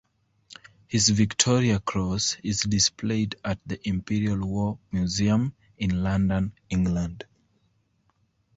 His Victoria Cross is displayed at the Imperial War Museum in London, England.